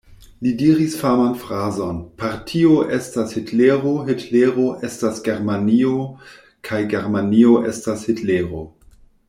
Li diris faman frazon: "Partio estas Hitlero, Hitlero estas Germanio kaj Germanio estas Hitlero!".